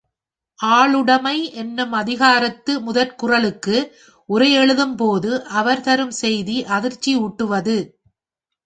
அருளுடைமை எனும் அதிகாரத்து முதற்குறளுக்கு உரையெழுதும் போது அவர் தரும் செய்தி அதிர்ச்சியூட்டுவது.